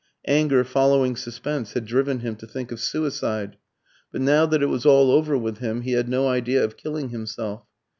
Anger following suspense had driven him to think of suicide; but now that it was all over with him, he had no idea of killing himself.